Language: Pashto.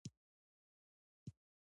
مشکل وختونه درته ډېر اسانه کوي.